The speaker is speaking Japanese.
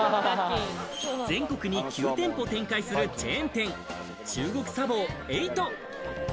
全国に９店舗展開するチェーン店・中国茶房８。